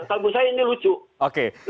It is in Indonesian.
kalau menurut saya ini lucu